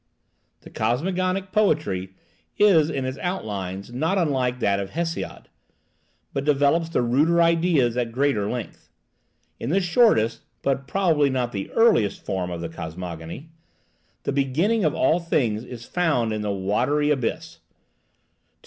The cosmogonic poetry is in its outlines not unlike that of Hesiod, but develops the ruder ideas at greater length. In the shortest (but probably not the earliest) form of the cosmogony, the beginning of all things is found in the watery abyss.